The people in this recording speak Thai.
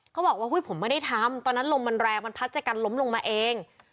เขาบอกว่าผมไม่ได้ทำตอนนั้นลมมันแรงมันพัดจากกันล้มลงมาเอง